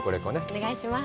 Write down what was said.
お願いします。